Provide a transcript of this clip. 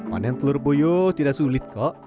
panen telur boyo tidak sulit kok